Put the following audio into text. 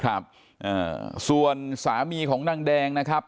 ครับอ่าส่วนสามีของนางแดงนะครับ